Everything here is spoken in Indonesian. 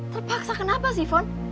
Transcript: terpaksa kenapa sih fon